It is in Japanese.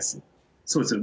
そうです。